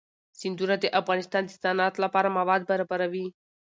سیندونه د افغانستان د صنعت لپاره مواد برابروي.